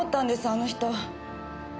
あの人。